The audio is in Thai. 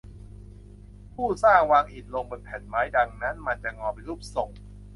ผู้สร้างวางอิฐลงบนแผ่นไม้ดังนั้นมันจะงอเป็นรูปทรง